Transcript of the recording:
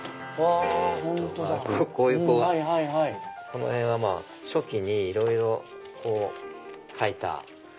このへんは初期にいろいろ描いた。